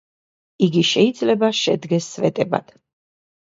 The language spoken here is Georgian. იგი შეიძლება შედგეს სვეტებად.